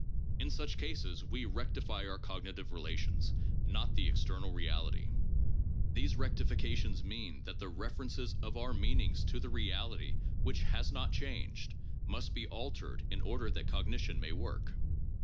In such cases we rectify our cognitive relations, not the external reality. These rectifications mean that the references of our meanings to the reality which has not changed must be altered in order that cognition may work.